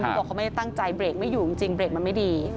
เขาบอกเขาไม่ได้ตั้งใจเบรกไม่อยู่จริงเบรกมันไม่ดี